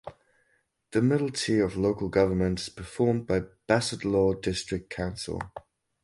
The middle tier of local government is performed by Bassetlaw District Council.